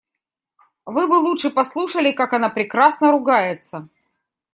Вы бы лучше послушали, как она прекрасно ругается.